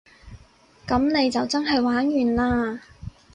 噉你就真係玩完嘞